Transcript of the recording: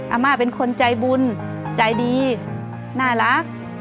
อาม่าเป็นคนใจบุญใจดีน่ารัก